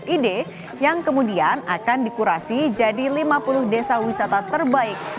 ide yang kemudian akan dikurasi jadi lima puluh desa wisata terbaik